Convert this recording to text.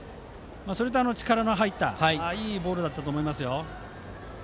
それと、力の入ったいいボールだったと思います。